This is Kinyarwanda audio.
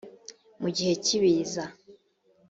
mu gihe cy ibiza